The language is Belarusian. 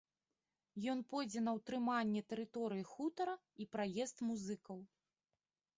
Ён пойдзе на ўтрыманне тэрыторыі хутара і праезд музыкаў.